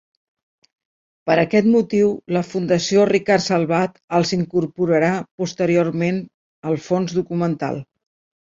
Per aquest motiu, la Fundació Ricard Salvat els incorporarà posteriorment al fons documental.